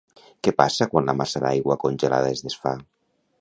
Què passa quan la massa d'aigua congelada es desfà?